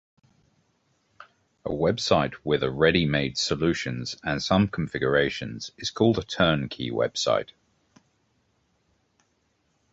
A website with a ready-made solutions and some configurations is called a turnkey website.